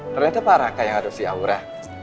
ternyata pak raka yang adopsi aura